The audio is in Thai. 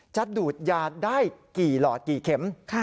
จะดูดยาได้กี่หลอดกี่เข็ม